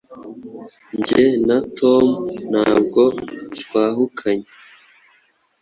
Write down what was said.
Jye na Tom ntabwo twahukanye